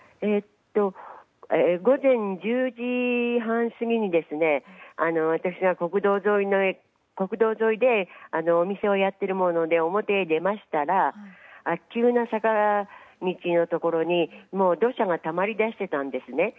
午前１０時半過ぎに私は国道沿いでお店をやっているもので表へ出ましたら急な坂道のところに土砂がたまりだしていたんですね。